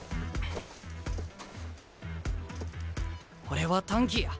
俺は短気や。